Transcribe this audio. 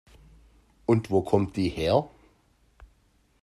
Und wo kommt die her?